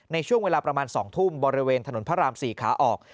ในช่วงเวลาประมาณ๒ทุ่มบริเวณถนนพระราม๔ขาออก